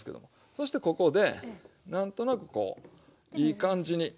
そしてここで何となくこういい感じに。